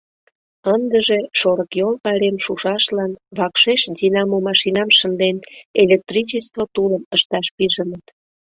Ындыже, шорыкйол пайрем шушашлан, вакшеш динамомашинам шынден, электричество тулым ышташ пижыныт.